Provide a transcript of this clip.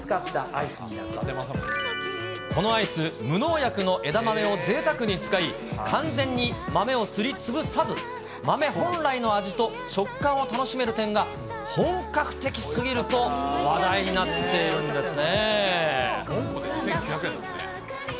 これは宮城県のあのずんだをこのアイス、無農薬の枝豆をぜいたくに使い、完全に豆をすりつぶさず、豆本来の味と食感を楽しめる点が本格的すぎると話題になっているんですね。